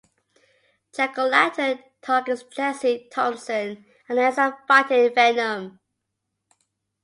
Jack O'Lantern targets Jessie Thompson and ends up fighting Venom.